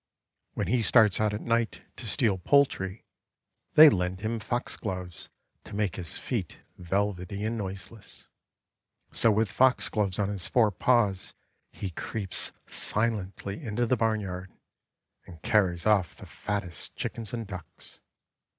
When he starts out at night to steal poultry, they lend him Foxgloves, to make his feet vel vety and noiseless. So with Foxgloves on his four paws he creeps silently into the barn yard, and carries off the fattest Chickens and Ducks.